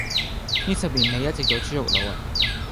呢十年你一直做豬肉佬呀？